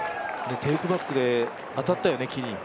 テイクバックで当たったよね、木に。